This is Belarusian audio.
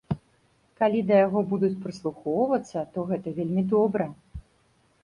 Калі да яго будуць прыслухоўвацца, то гэта вельмі добра.